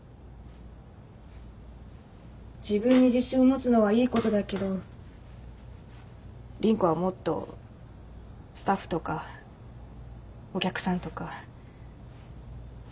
自分に自信を持つのはいいことだけど凛子はもっとスタッフとかお客さんとか周りを見ないと。